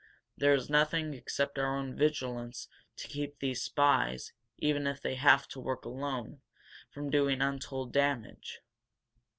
There is nothing except our own vigilance to keep these spies, even if they have to work alone, from doing untold damage!"